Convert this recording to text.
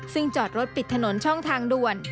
ซึ่งจอดรถปิดถนนช่องทางด่วน